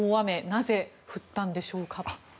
なぜ、降ったんでしょうか。